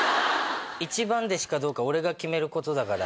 一番弟子かどうか俺が決めることだから。